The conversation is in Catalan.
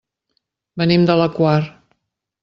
Venim de la Quar.